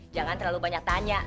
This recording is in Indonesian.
jangan terlalu banyak tanya